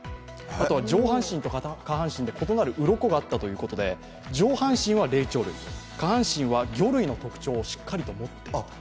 上半身と下半身で、異なるうろこがあったということで上半身は霊長類、下半身は魚類の特徴をしっかり持っていると。